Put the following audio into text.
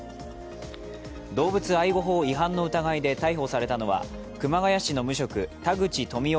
動物愛護法違反の疑いで逮捕されたのは、熊谷市の無職・田口富夫